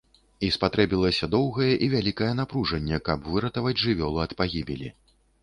І спатрэбілася доўгае і вялікае напружанне, каб выратаваць жывёлу ад пагібелі.